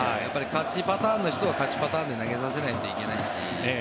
勝ちパターンの人は勝ちパターンで投げさせないといけないし。